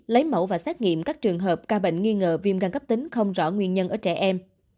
lấy mẫu và xét nghiệm các trường hợp ca bệnh nghi ngờ viêm gan cấp tính không rõ nguyên nhân ở trẻ em